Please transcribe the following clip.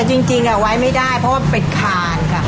เพราะว่าเป็นคานค่ะ